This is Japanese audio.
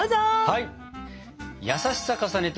はい！